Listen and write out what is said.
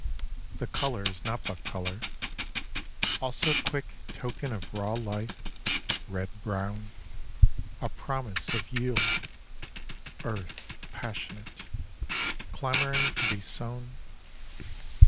The colour is not but colour, also quick Token of raw life, red brown, a promise of Yield, earth passionate, clamouring to be sown.